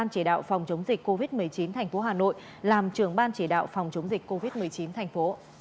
chỉ đạo phòng chống dịch covid một mươi chín tp hà nội làm trưởng ban chỉ đạo phòng chống dịch covid một mươi chín tp